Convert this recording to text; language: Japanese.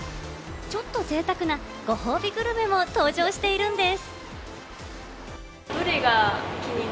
ちょっとぜいたくなご褒美グルメも登場しているんです。